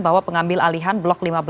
bahwa pengambil alihan blok lima belas